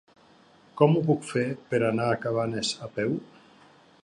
Com ho puc fer per anar a Cabanes a peu?